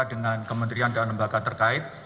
dengan kementerian dan lembaga terkait